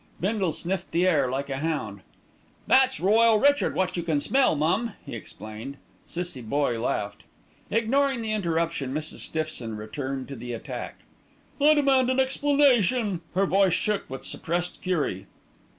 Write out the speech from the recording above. Bindle sniffed the air like a hound. "That's Royal Richard wot you can smell, mum," he explained. Cissie Boye laughed. Ignoring the interruption, Mrs. Stiffson returned to the attack. "I demand an explanation!" Her voice shook with suppressed fury.